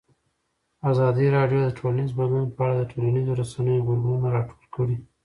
ازادي راډیو د ټولنیز بدلون په اړه د ټولنیزو رسنیو غبرګونونه راټول کړي.